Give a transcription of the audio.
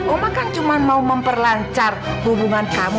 oma kan cuma mau memperlancar hubungan kamu